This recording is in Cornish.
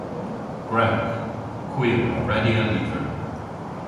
Gwrewgh. Hwi a wra redya lyver.